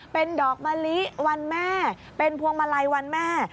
เป็นดอกมะลิวันแม่เป็นพวงมาลัยวันแม่